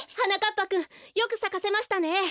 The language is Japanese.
ぱくんよくさかせましたね。